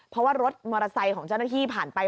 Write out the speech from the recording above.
เพราะว่ารถมอเตอร์ไซค์ของเจ้าหน้าที่ผ่านไป